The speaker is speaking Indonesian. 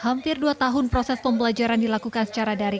hampir dua tahun proses pembelajaran dilakukan secara daring